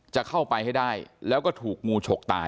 จะเข้าไปให้ได้แล้วก็ถูกงูฉกตาย